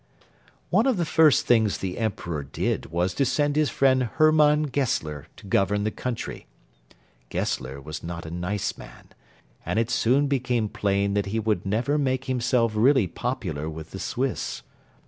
One of the first things the Emperor did was to send his friend Hermann Gessler to govern the country. Gessler was not a nice man, and it soon became plain that he would never make himself really popular with the Swiss.